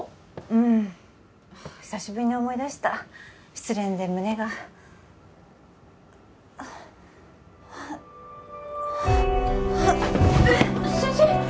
うん久しぶりに思い出した失恋で胸があっ先生！